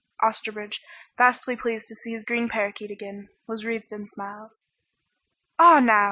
Osterbridge, vastly pleased to see his green parakeet again, was wreathed in smiles. "Ah, now!"